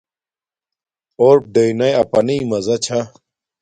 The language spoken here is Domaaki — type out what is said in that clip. اݸرپ ڈݵئنݳئی اَپَنݵئی مزہ چھݳ.